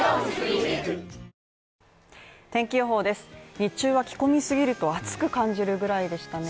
日中はき込みすぎると暑く感じるぐらいでしたね